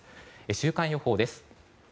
週間予報です。